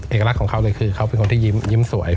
เอกลักษณ์ของเขาเลยคือเขาเป็นคนที่ยิ้มสวย